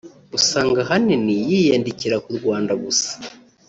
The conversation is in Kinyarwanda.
usanga ahanini yiyandikira ku Rwanda gusa